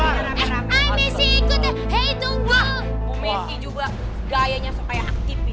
wah bu messi juga gayanya supaya aktif